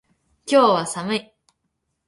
今日は寒い。